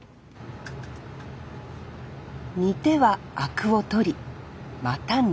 煮てはあくを取りまた煮る。